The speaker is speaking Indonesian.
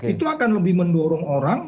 itu akan lebih mendorong orang